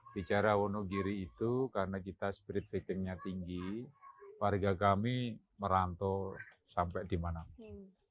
bicara wonogiri itu karena kita spirit ratingnya tinggi warga kami merantau sampai di mana mana